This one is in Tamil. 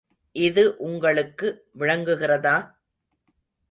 இது உங்களுக்கு விளங்குகிறதா?